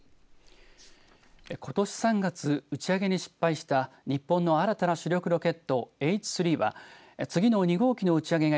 ことし３月、打ち上げに失敗した日本の新たな主力ロケットＨ３は次の２号機の打ち上げが